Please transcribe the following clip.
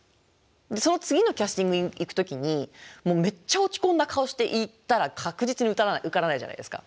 その次のキャスティングに行く時にめっちゃ落ち込んだ顔して行ったら確実に受からないじゃないですか。